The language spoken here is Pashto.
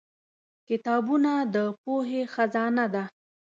کتابونه د پوهې خزانه ده.